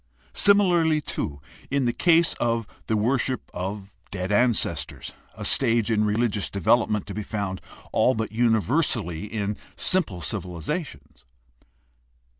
Similarly, too, in the case of the worship of dead ancestors, a stage in religious development to be found all but universally in simple civilizations.